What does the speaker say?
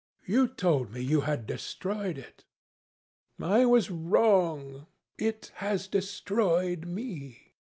"You told me you had destroyed it." "I was wrong. It has destroyed me."